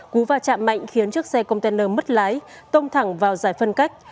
cú và chạm mạnh khiến chiếc xe container mất lái tông thẳng vào giải phân cách